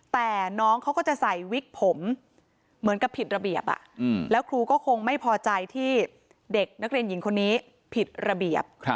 แต่น้องเขาก็จะใส่วิกผมเหมือนกับผิดระเบียบแล้วครูก็คงไม่พอใจที่เด็กนักเรียนหญิงคนนี้ผิดระเบียบ